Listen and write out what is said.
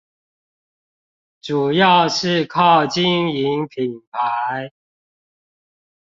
主要是靠經營品牌